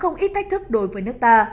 không ít thách thức đối với nước ta